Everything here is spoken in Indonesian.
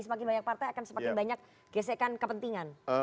semakin banyak partai akan semakin banyak gesekan kepentingan